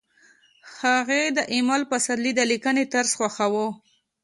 هغې د ایمل پسرلي د لیکنې طرز خوښاوه